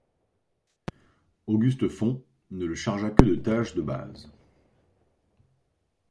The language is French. August Font ne le chargea que de tâches de base.